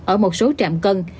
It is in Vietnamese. ở một số trạm cân